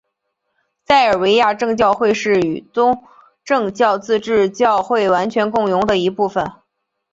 塞尔维亚正教会是与东正教自治教会完全共融的一部分。